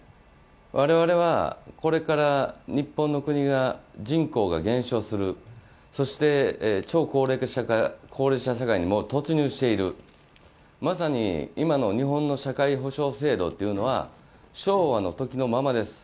我々はこれから日本の国が人口が減少する、そして超高齢化社会に突入しているまさに今の日本の社会保障制度というのは昭和のときのままです。